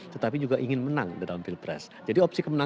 tetapi juga ingin menang di dalam pilpres jadi opsi kemenangan